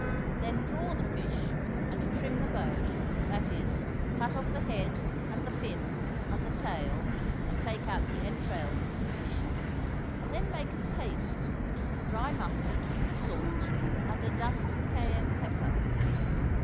Then draw the fish, and trim the bone; that is, cut off the head, and the fins, and the tail, and take out the entrails of the fish; then make a paste of dry mustard, salt, and a dust of Cayenne pepper.